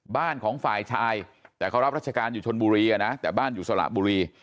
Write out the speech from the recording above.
บ้านของฝ่ายชายแต่เขารับราชการอยู่ชนบุรีแต่บ้านอยู่สระบุรี